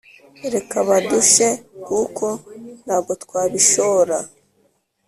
reka badushe kuko nagotwabishora